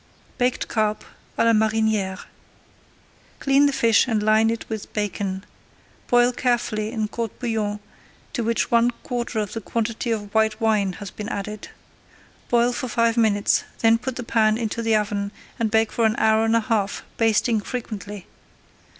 BAKED CARP À LA MARINIÈRE Clean the fish and line it with bacon. Boil carefully in court bouillon to which one quarter of the quantity of white wine has been added. Boil for five minutes, then put the pan into the oven and bake for an hour and a half, basting frequently.